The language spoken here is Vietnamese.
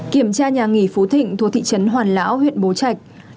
kiểm tra nhà nghỉ phú thịnh thuộc thị trấn hoàn lão huyện bố trạch